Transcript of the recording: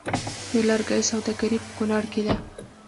د لرګیو سوداګري په کنړ کې ده